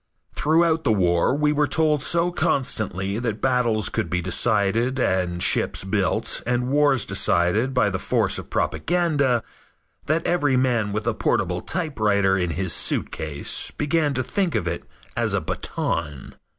Throughout the war we were told so constantly that battles could be decided and ships built and wars decided by the force of propaganda, that every man with a portable typewriter in his suitcase began to think of it as a baton.